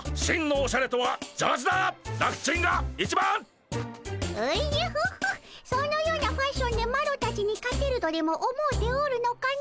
おじゃホッホそのようなファッションでマロたちに勝てるとでも思うておるのかの？